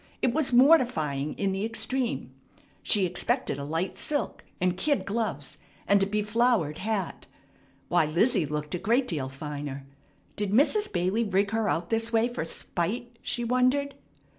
It was mortifying in the extreme. She expected a light silk, and kid gloves, and a beflowered hat. Why, Lizzie looked a great deal finer. Did Mrs. Bailey rig her out this way for spite? she wondered.